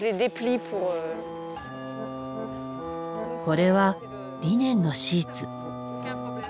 これはリネンのシーツ。